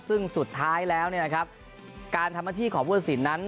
ซึ่งสุดท้ายแล้วเนี่ยนะครับการทำมาที่ขอบพลศีลนั้น